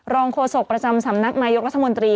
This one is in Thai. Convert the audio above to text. โฆษกประจำสำนักนายกรัฐมนตรี